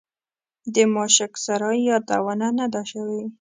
د ماشک سرای یادونه نه ده شوې.